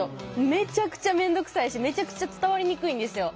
めちゃくちゃ面倒くさいしめちゃくちゃ伝わりにくいんですよ。